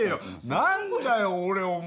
何だよお前